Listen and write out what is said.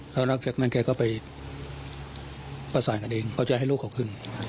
แล้วหลังจากนั้นแกก็ไปประสานกันเองเขาจะให้ลูกเขาขึ้น